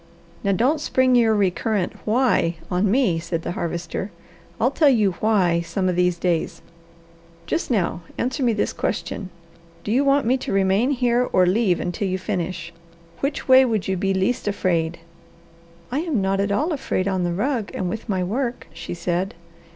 "Now don't spring your recurrent 'why' on me," said the Harvester. "I'll tell you 'why' some of these days. Just now answer me this question: Do you want me to remain here or leave until you finish? Which way would you be least afraid?" "I am not at all afraid on the rug and with my work," she said.